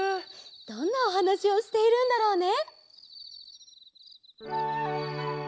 どんなおはなしをしているんだろうね！